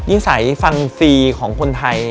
นิสัยฟังฟรีของคนไทย